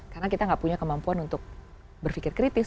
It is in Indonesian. karena kita nggak punya kemampuan untuk berpikir kritis